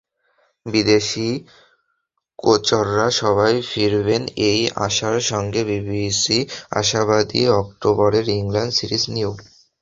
বিদেশি কোচরা সবাই ফিরবেন—এই আশার সঙ্গে বিসিবি আশাবাদী অক্টোবরের ইংল্যান্ড সিরিজ নিয়েও।